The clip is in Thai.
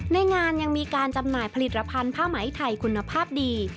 ในงานยังมีการจำหน่ายผลิตภัณฑ์ผ้าไหมไทยคุณภาพดี